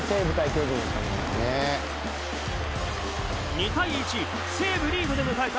２対１西武リードで迎えた